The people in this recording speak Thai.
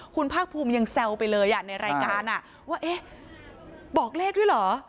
คุณภาคภูมิยังแซวไปเลยในรายการว่าเอ๊ะบอกเลขด้วยเหรอ